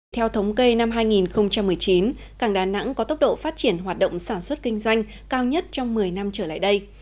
theo thống kê năm hai nghìn một mươi chín cảng đà nẵng có tốc độ phát triển hoạt động sản xuất kinh doanh cao nhất trong một mươi năm trở lại đây